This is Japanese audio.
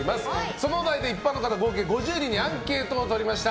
そのお題で一般の方合計５０人にアンケートをとりました。